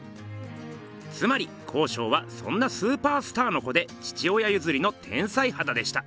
つまり康勝はそんなスーパースターの子で父親ゆずりの天才はだでした。